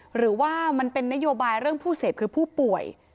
หรือว่ามันเป็นนโยบายเรื่องผู้เสพคือผู้ป่วย